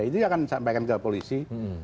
itu akan disampaikan juga ke polisi